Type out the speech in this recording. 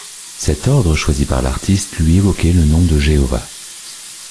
Cet ordre choisi par l'artiste lui évoquait le nom de Jéhovah.